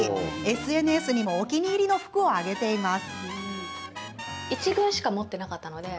ＳＮＳにもお気に入りの服を上げています。